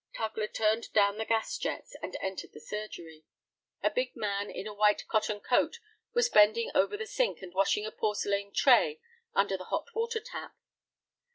Tugler turned down the gas jets, and entered the surgery. A big man in a white cotton coat was bending over the sink and washing a porcelain tray under the hot water tap.